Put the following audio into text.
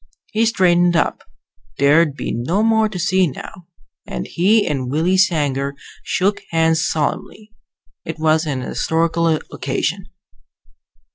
He straightened up there'd be no more to see now and he and Willie Sanger shook hands solemnly. It was an historical occasion.